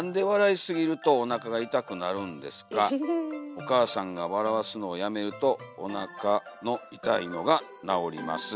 おかあさんがわらわすのをやめるとおなかのいたいのがなおります。